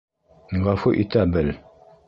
Ғәфү итә бел.